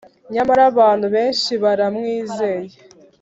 Nyamara abantu benshi baramwizeye